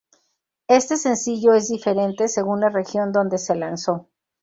Este sencillo es diferente según la región donde se lanzó.